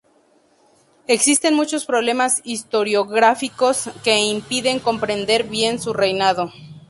Existen muchos problemas historiográficos que impiden comprender bien su reinado.